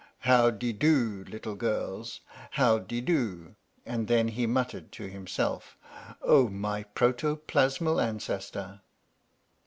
"How de do, little girls howde do?" And then he muttered to himself: "Oh, my Protoplasmal Ancestor